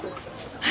はい。